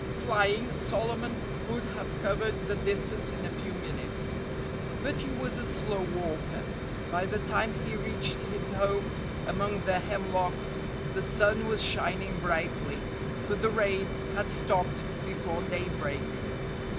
Flying, Solomon could have covered the distance in a few minutes. But he was a slow walker. By the time he reached his home among the hemlocks the sun was shining brightly—for the rain had stopped before daybreak.